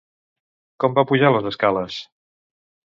Com va pujar les escales?